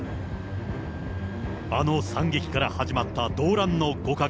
あの惨劇から始まった動乱の５か月。